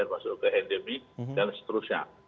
masuk ke endemi dan seterusnya